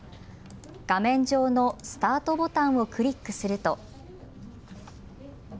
画面上のスタートボタンをクリックすると。